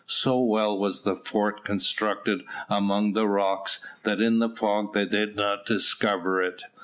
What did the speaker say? So well was the fort constructed among the rocks, that in the fog they did not discover it.